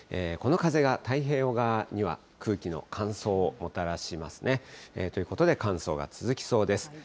この風が太平洋側には空気の乾燥をもたらしますね。ということで、乾燥が続きそうです。